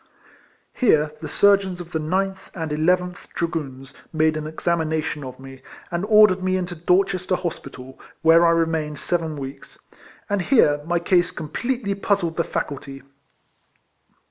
Here tlie surgeons of the 9th and 11th Dragoons made an exam ination of me, and ordered me into Dorches ter hospital, where I remained seven weeks ; and here my case completely puzzled the faculty.